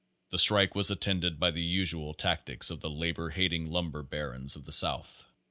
The strike was attended by the usual tactics of the labor hating lumber barons of the south.